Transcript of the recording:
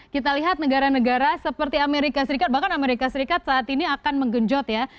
kita lihat negara negara seperti amerika serikat bahkan amerika serikat saat ini akan menggenjot ya